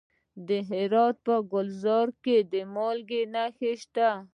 د هرات په ګذره کې د مالګې نښې شته.